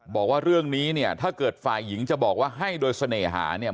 บอกว่าเรื่องนี้เนี่ยถ้าเกิดฝ่ายหญิงจะบอกว่าให้โดยเสน่หาเนี่ย